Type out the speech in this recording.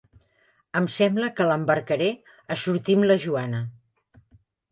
Em sembla que l'embarcaré a sortir amb la Joana.